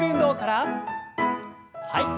はい。